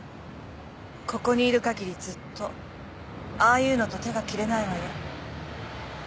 ここにいる限りずっとああいうのと手が切れないわよ。